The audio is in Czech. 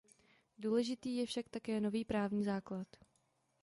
Důležitý je však také nový právní základ.